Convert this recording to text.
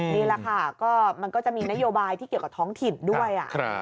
นี่แหละค่ะก็มันก็จะมีนโยบายที่เกี่ยวกับท้องถิ่นด้วย